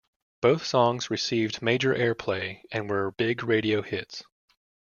Both songs received major airplay and were big radio hits.